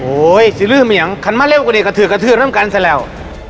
โอ๊ยจะลืมอย่างคันมาเร็วกว่าเดี๋ยวกระทือกระทือกเริ่มกันซะแล้ว